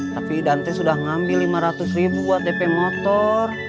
tapi dante sudah ngambil rp lima ratus ribu buat dp motor